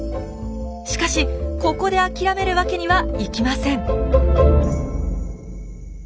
しかしここで諦めるわけにはいきません。